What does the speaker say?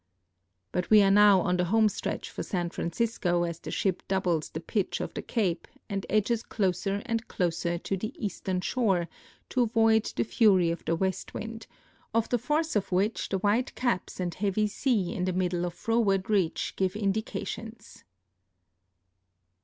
But we are now on the home stretch for San Francisco as the shij? doubles the pitch of the cape and edges closer and closer to the eastern shore to avoid the fur}^ of the west wind, of the force of which the white ca])s and heav}^ sea in the middle of Frow^ard reach give indications.